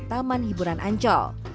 taman hiburan ancol